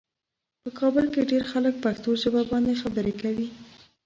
په کابل کې ډېر خلک پښتو ژبه باندې خبرې کوي.